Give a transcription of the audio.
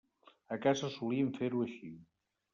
A casa solíem fer-ho així.